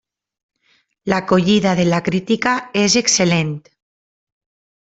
L'acollida de la crítica és excel·lent.